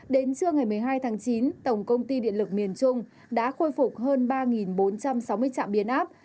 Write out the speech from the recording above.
đến trưa ngày một mươi hai tháng chín tổng công ty điện lực miền trung đã khôi phục hơn ba bốn trăm sáu mươi trạm biến áp